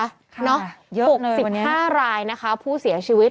ค่ะเยอะเลยวันนี้๖๕รายนะคะผู้เสียชีวิต